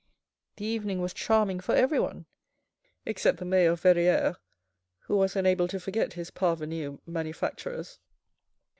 The evening was charming for everyone, except the mayor of Verrieres, who was unable to forget his parvenu manufacturers.